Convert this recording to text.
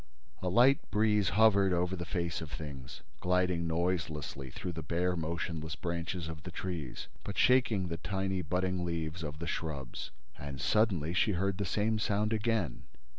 A light breeze hovered over the face of things, gliding noiselessly through the bare motionless branches of the trees, but shaking the tiny budding leaves of the shrubs. And, suddenly, she heard the same sound again.